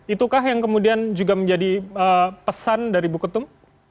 itukah yang kemudian juga menjadi pesan dari bu ketum